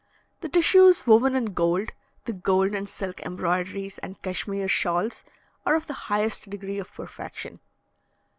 The tissues woven in gold, the gold and silk embroideries and Cashmere shawls, are of the highest degree of perfection.